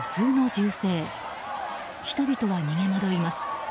人々は逃げまどいます。